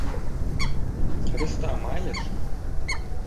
— Хреста маєш?